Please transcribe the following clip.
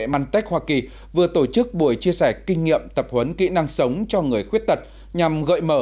mantech hoa kỳ vừa tổ chức buổi chia sẻ kinh nghiệm tập huấn kỹ năng sống cho người khuyết tật nhằm gợi mở